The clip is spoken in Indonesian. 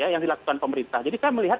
yang dilakukan pemerintah jadi saya melihat